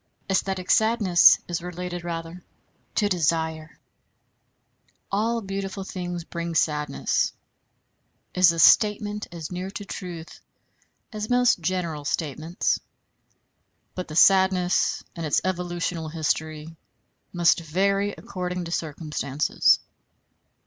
Æsthetic sadness is related rather to desire. "All beautiful things bring sadness," is a statement as near to truth as most general statements; but the sadness and its evolutional history must vary according to circumstances.